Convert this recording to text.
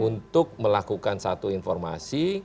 untuk melakukan satu informasi